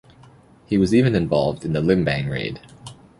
He was even involved in the Limbang raid.